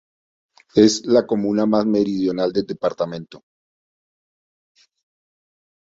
Es la comuna más meridional del departamento.